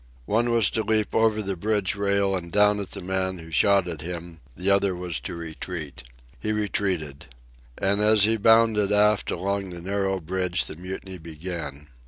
One was to leap over the bridge rail and down at the man who shot at him; the other was to retreat. He retreated. And as he bounded aft along the narrow bridge the mutiny began.